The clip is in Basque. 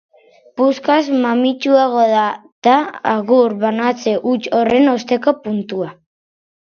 Puskaz mamitsuagoa da agur banatze huts horren osteko puntua.